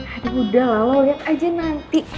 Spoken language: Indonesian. aduh udah lah lo lihat aja nanti